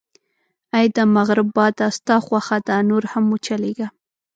اې د مغرب باده، ستا خوښه ده، نور هم و چلېږه.